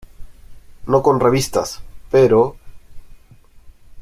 no con revistas, pero...